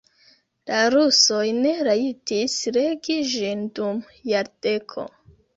La rusoj ne rajtis legi ĝin dum jardeko.